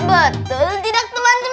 betul tidak teman teman